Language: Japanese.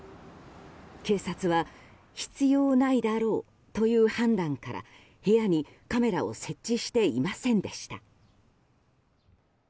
警察は必要ないだろうという判断から部屋にカメラを設置していませんでした。